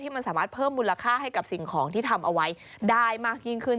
มันสามารถเพิ่มมูลค่าให้กับสิ่งของที่ทำเอาไว้ได้มากยิ่งขึ้น